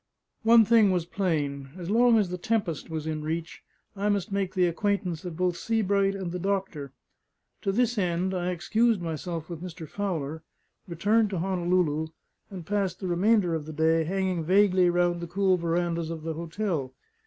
One thing was plain: as long as the Tempest was in reach, I must make the acquaintance of both Sebright and the doctor. To this end, I excused myself with Mr. Fowler, returned to Honolulu, and passed the remainder of the day hanging vainly round the cool verandahs of the hotel.